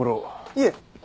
いえ。